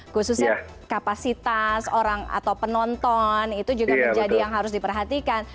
khususnya kapasitas orang atau penonton itu juga menjadi yang harus diperhatikan